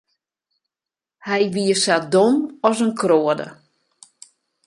Hy wie sa dom as in kroade.